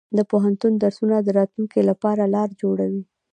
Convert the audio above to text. د پوهنتون درسونه د راتلونکي لپاره لار جوړوي.